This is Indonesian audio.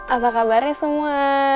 apa kabarnya semua